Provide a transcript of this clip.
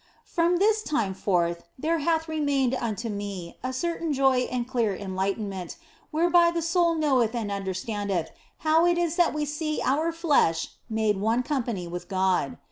From this time forth there hath remained unto me a certain joy and clear enlightenment, whereby the soul knoweth and understandeth how it is that we see our flesh made one company with God.